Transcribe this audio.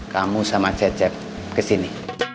kamu sama cecep kesini